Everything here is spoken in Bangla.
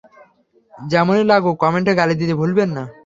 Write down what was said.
যেমনেই লাগুক কমেন্টে গালি দিতে ভুলবেন না।